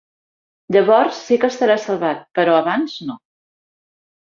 Llavors sí que estarà salvat, però abans no.